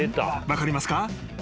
分かりますか？